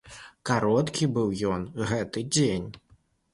Кароткі быў ён, гэты дзень.